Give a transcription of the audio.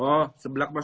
oh seblak mas